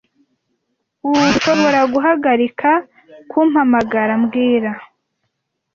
Urdushoboraguhagarika kumpamagara mbwira